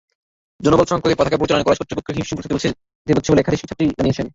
জনবলসংকটে পাঠাগার পরিচালনায় কলেজ কর্তৃপক্ষকে হিমশিম খেতে হচ্ছে বলে একাধিক ছাত্রী জানিয়েছেন।